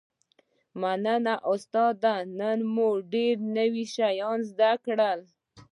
مننه استاده نن مو ډیر نوي شیان زده کړل